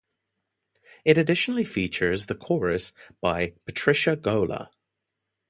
It additionally featured the chorus by Patrycja Gola.